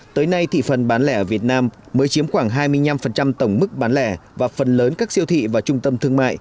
tới nay thị phần bán lẻ ở việt nam mới chiếm khoảng hai mươi năm tổng mức bán lẻ và phần lớn các siêu thị và trung tâm thương mại